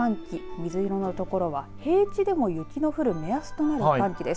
水色の所は平地でも雪の降る目安となる寒気です。